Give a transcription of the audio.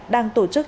đang tổ chức